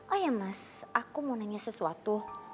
oh ya mas aku mau nanya sesuatu